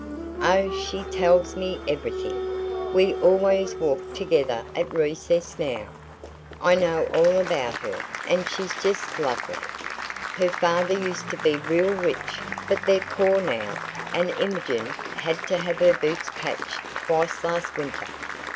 "Oh, she tells me everything! We always walk together at recess now. I know all about her, and she's just lovely! Her father used to be real rich, but they're poor now, and Imogen had to have her boots patched twice last winter.